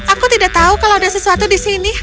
aku tidak tahu kalau ada sesuatu di sini